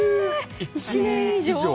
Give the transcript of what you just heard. １年以上？